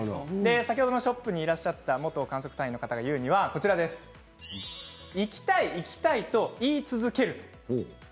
先ほどのショップにいらっしゃった元観測隊員の方が言うには行きたい、行きたいと言い続ける。